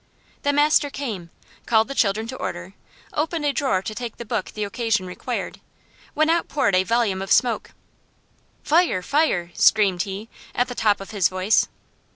The master came; called the children to order; opened a drawer to take the book the occasion required; when out poured a volume of smoke. "Fire! fire!" screamed he, at the top of his voice.